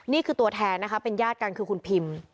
นี่คือตัวแทนนะคะเป็นญาติกันคือคุณพิม